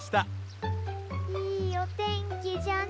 いいおてんきじゃね